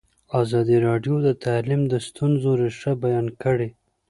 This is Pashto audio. ازادي راډیو د تعلیم د ستونزو رېښه بیان کړې.